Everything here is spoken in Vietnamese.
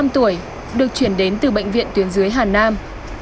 một mươi năm tuổi được chuyển đến từ bệnh viện tuyến dưới hà nam